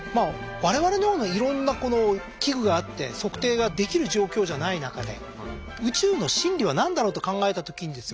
我々のようないろんな器具があって測定ができる状況じゃない中で宇宙の真理は何だろうと考えた時にですよ